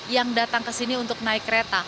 yang datang ke sini untuk naik kereta